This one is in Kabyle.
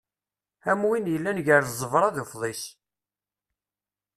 Am win yellan gar ẓẓebra d ufḍis.